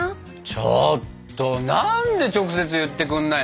ちょっと何で直接言ってくんない。